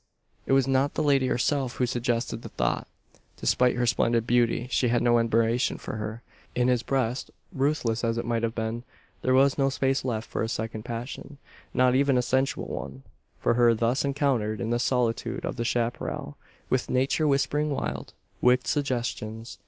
It was not the lady herself who suggested the thought. Despite her splendid beauty, he had no admiration for her. In his breast, ruthless as it might have been, there was no space left for a second passion not even a sensual one for her thus encountered in the solitude of the chapparal, with Nature whispering wild, wicked suggestions.